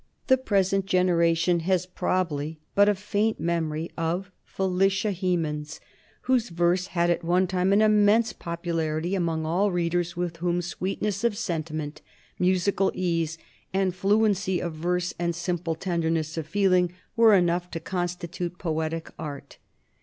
The present generation has probably but a faint memory of Felicia Hemans, whose verse had at one time an immense popularity among all readers with whom sweetness of sentiment, musical ease, fluency of verse, and simple tenderness of feeling were enough to constitute poetic art.